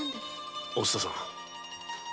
お蔦さん